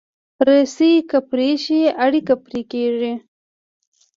رسۍ که پرې شي، اړیکې پرې کېږي.